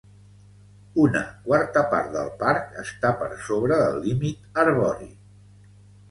Una quarta part del parc està per sobre del límit arbori.